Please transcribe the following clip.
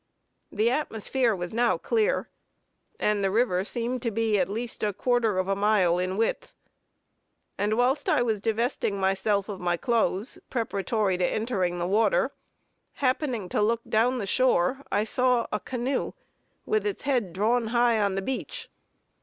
The atmosphere was now clear, and the river seemed to be at least a quarter of a mile in width; and whilst I was divesting myself of my clothes, preparatory to entering the water, happening to look down the shore I saw a canoe, with its head drawn high on the beach.